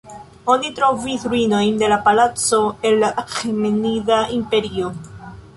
Oni trovis ruinojn de palaco el la Aĥemenida Imperio.